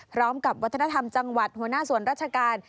พร้อมกับวัฒนธรรมจังหวัดหัวหน้าส่วนราชการ